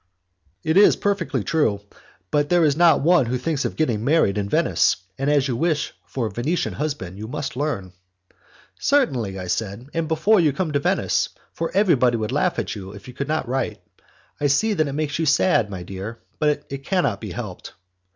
"It is perfectly true, but there is not one who thinks of getting married in Venice, and as you wish for a Venetian husband you must learn." "Certainly," I said, "and before you come to Venice, for everybody would laugh at you, if you could not write. I see that it makes you sad, my dear, but it cannot be helped."